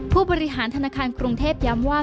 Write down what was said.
ผู้บริหารธนาคารกรุงเทพย้ำว่า